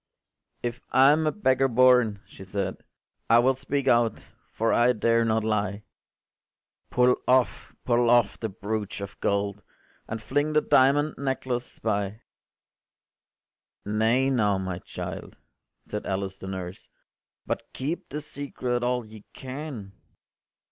” “If I’m a beggar born,” she said, “I will speak out, for I dare not lie. Pull off, pull off, the broach of gold, And fling the diamond necklace by.” “Nay now, my child,” said Alice the nurse, “But keep the secret all ye can.